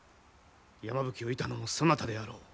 山吹を射たのもそなたであろう。